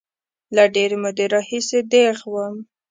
له ډېرې مودې راهیسې دیغ وم.